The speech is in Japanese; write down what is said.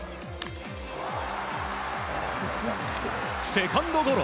セカンドゴロ。